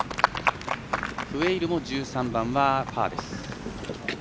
クウェイルも１３番はパーです。